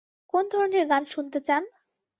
কোন ধরনের গান শুনতে চান?